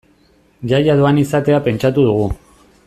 Jaia doan izatea pentsatu dugu.